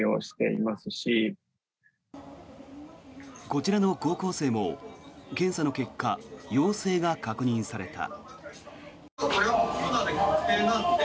こちらの高校生も検査の結果陽性が確認された。